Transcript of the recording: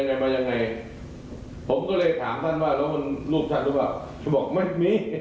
ถามมาอย่างที่โทษหาผมเลยบอกไม่มี